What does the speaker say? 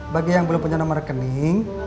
bagi yang belum punya nomor rekening